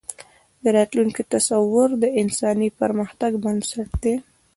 د راتلونکي تصور د انساني پرمختګ بنسټ دی.